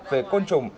về côn trùng